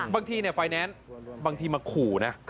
บางทีไฟแนนซ์บางทีมาขู่นะ